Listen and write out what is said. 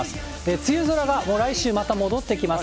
梅雨空がもう来週、戻ってきます。